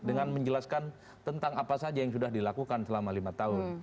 dengan menjelaskan tentang apa saja yang sudah dilakukan selama lima tahun